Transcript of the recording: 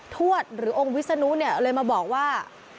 ทวดหรือองค์วิศนุเนี่ยเลยมาบอกว่า